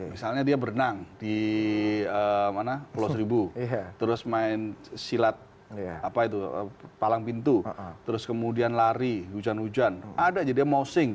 misalnya dia berenang di pulau seribu terus main silat apa itu palang pintu terus kemudian lari hujan hujan ada jadi mosing